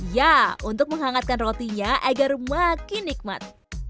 ya untuk menghangatkan rotinya agar makin nikmat